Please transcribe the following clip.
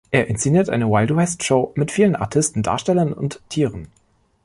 Er inszeniert eine Wild-West-Show mit vielen Artisten, Darstellern und Tieren.